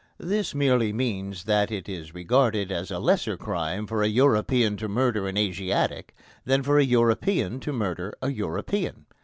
This merely means that it is regarded as a lesser crime for a European to murder an Asiatic than for a European to murder a European.